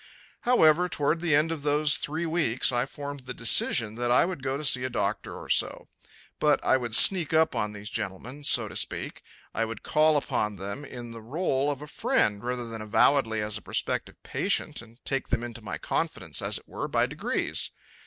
However, toward the end of those three weeks I formed the decision that I would go to see a doctor or so. But I would sneak up on these gentlemen, so to speak. I would call upon them in the rôle of a friend rather than avowedly as a prospective patient, and take them into my confidence, as it were, by degrees.